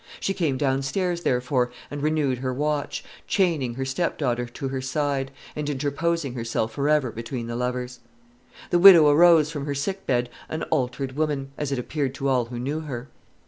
She came down stairs, therefore, and renewed her watch chaining her stepdaughter to her side, and interposing herself for ever between the lovers. The widow arose from her sick bed an altered woman, as it appeared to all who knew her.